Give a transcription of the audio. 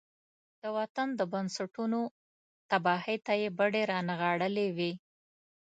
د وطن د بنسټونو تباهۍ ته يې بډې را نغاړلې وي.